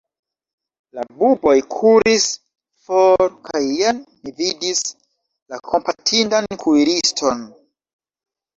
La buboj kuris for kaj jen mi vidis la kompatindan kuiriston.